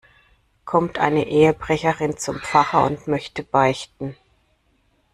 Kommt eine Ehebrecherin zum Pfarrer und möchte beichten.